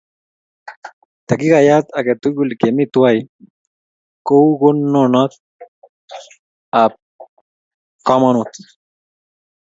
Takikayat ake tukul kemi twai kou konunot ap komonut.